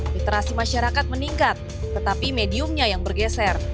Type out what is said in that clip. literasi masyarakat meningkat tetapi mediumnya yang bergeser